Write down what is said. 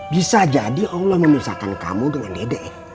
bisa jadi allah memisahkan kamu dengan dede